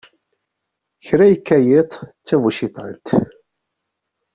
Kra yekka yiḍ, d tabuciḍant.